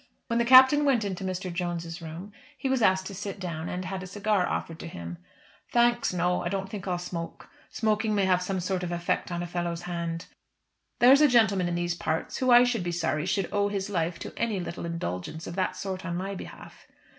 When the Captain went into Mr. Jones's room he was asked to sit down, and had a cigar offered to him. "Thanks, no; I don't think I'll smoke. Smoking may have some sort of effect on a fellow's hand. There's a gentleman in these parts who I should be sorry should owe his life to any little indulgence of that sort on my behalf."